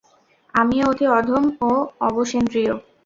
আমিও অতি অধম ও অবশেন্দ্রিয়।